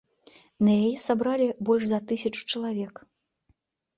На яе сабралі больш за тысячу чалавек.